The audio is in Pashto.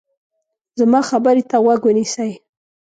زما خبرې ته غوږ ونیسئ.